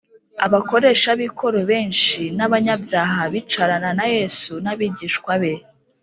abakoresha b ikoro benshi n abanyabyaha bicarana na Yesu n abigishwa be